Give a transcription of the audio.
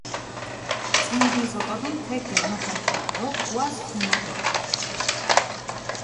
წინგის ოკოდუნ თექ გეგნოფაჩუნდჷ დო ქუას ქუმნოდვანდჷ.